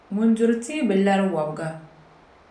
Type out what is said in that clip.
Ŋun duri tia bi lari wɔbiga.